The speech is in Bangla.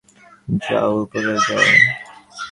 যাও, উপরে যাও।